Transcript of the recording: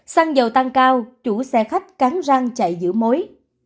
xăng dầu tăng cao chủ xe khách cắn răng chạy giữ mối